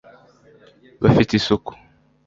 bafite isuku